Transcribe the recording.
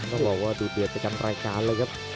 ต้องบอกว่าดูเดือดประจำรายการเลยครับ